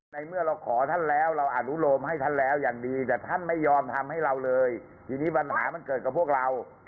ในเมื่อเราขอท่านแล้วเราอนุโลมให้ท่านแล้วอย่างดีแต่ท่านไม่ยอมทำให้เราเลยทีนี้ปัญหามันเกิดกับพวกเรา